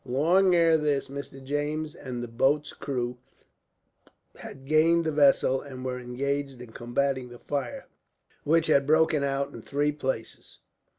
Long ere this Mr. James and the boats' crews had gained the vessel, and were engaged in combating the fire, which had broken out in three places.